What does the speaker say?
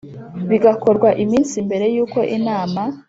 bigakorwa iminsi mbere y uko inama